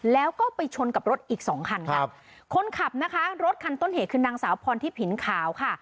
แล้วก็ไปชนกับรถอีกสองคันครับคนขับนะคะรถคันต้นเหตุคือนางสาวพรทิผินขาวค่ะ